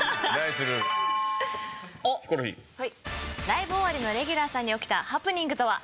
ライブ終わりのレギュラーさんに起きたハプニングとは？